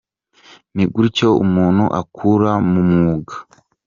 Ni gutyo umuntu akura mu mwuga.